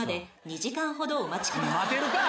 待てるか！